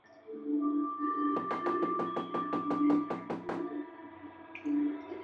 Este fue el primer atlas en cubrir toda la esfera celeste.